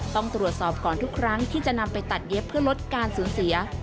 ต้องตรวจสอบก่อนทุกครั้งที่จะนำไปตัดเย็บเพื่อลดการสูญเสีย